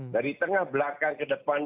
dari tengah belakang ke depan